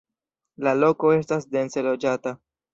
La loko estas dense loĝata.